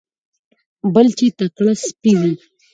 بل چې تکړه سپی وي.